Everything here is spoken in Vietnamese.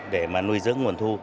để mà nuôi dưỡng nguồn thu